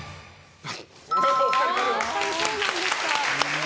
やっぱりそうなんですか。